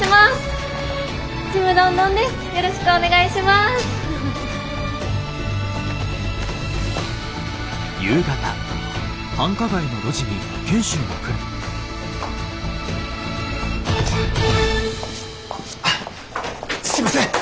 すいません。